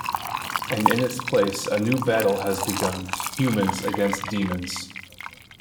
And in its place, a new battle has begun: humans against demons.